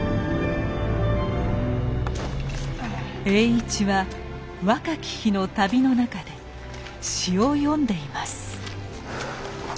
栄一は若き日の旅の中で詩を詠んでいます。